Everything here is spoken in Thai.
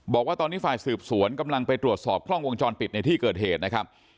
บอกว่าตอนนี้ฝ่ายสืบสวนกำลังไปตรวจสอบกล้องวงจรปิดในที่เกิดเหตุนะครับ